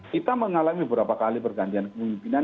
kita mengalami beberapa kali pergantian kemimpinan